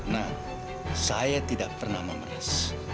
nah saya tidak pernah memeras